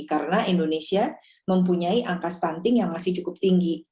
karena indonesia mempunyai angka stunting yang masih cukup tinggi